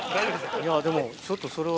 いやでもちょっとそれは。